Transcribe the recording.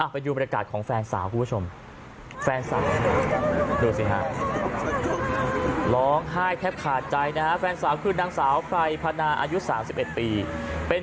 ไปดูบรรยากาศของแฟนสาวคุณผู้ชม